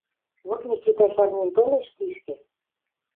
«Вот Микитӓ сӓрнен толеш тишкӹ